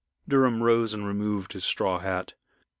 Durham rose and removed his straw hat.